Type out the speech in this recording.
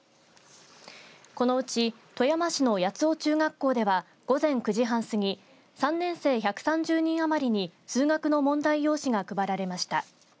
このうち富山市の八尾中学校では午前９時半過ぎ３年生１３０人余りに数学の問題用紙が配られました。